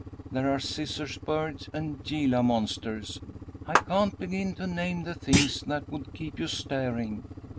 There are scissors birds and Gila monsters I can't begin to name the things that would keep you staring.